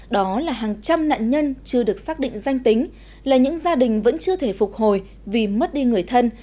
đó là hàng trăm nạn nhân chưa được xác định danh tính là những gia đình vẫn chưa thể phục hồi vì mất đi người thân